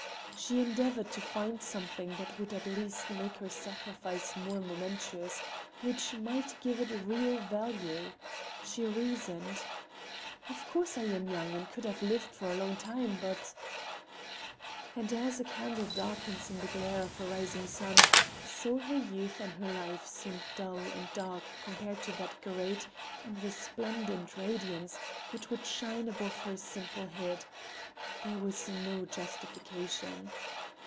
She endeavored to find something that would at least make her sacrifice more momentous, which might give it real value. She reasoned: "Of course, I am young and could have lived for a long time. But—" And as a candle darkens in the glare of the rising sun, so her youth and her life seemed dull and dark compared to that great and resplendent radiance which would shine above her simple head. There was no justification.